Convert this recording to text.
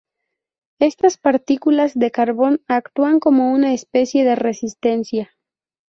Estas partículas de carbón actúan como una especie de resistencia.